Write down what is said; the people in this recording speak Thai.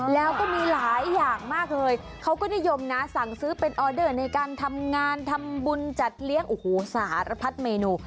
แล้วก็มีหลายอย่างมากเลยเขาก็นิยมนะสั่งซื้อเป็นออเดอร์ในการทำงานทำบุญจัดเลี้ยงโอ้โหสารพัดเมนู